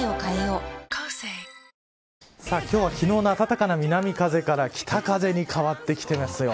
今日は昨日の暖かな南風から北風に変わってきてますよ。